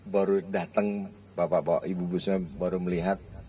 baru datang bapak bapak ibu ibu semua baru melihat